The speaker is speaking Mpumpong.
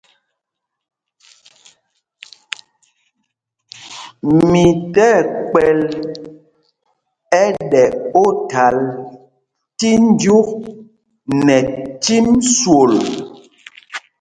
Mǐ tí ɛkpɛ̌l ɛ́ɗɛ óthǎl tí jyuk nɛ cîm swol.